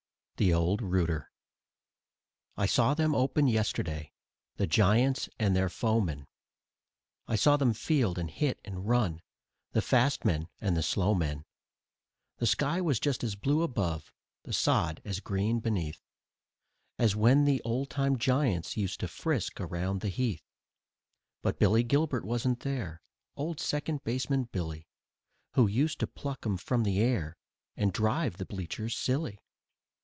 THE OLD ROOTER I saw them open yesterday, the Giants and their foemen, I saw them field and hit and run, the fast men and the slow men; The sky was just as blue above, the sod as green beneath As when the old time Giants used to frisk around the heath. But Billy Gilbert wasn't there, Old Second Baseman Billy, Who used to pluck 'em from the air And drive the bleachers silly.